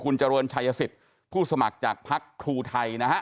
คุณจรวนชายสิทธิ์ผู้สมัครจากพักทูไทยนะฮะ